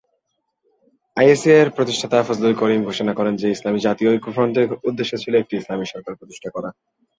আইএসএ-এর প্রতিষ্ঠাতা ফজলুল করিম ঘোষণা করেন যে ইসলামী জাতীয় ঐক্য ফ্রন্টের উদ্দেশ্য ছিল একটি ইসলামী সরকার প্রতিষ্ঠা করা।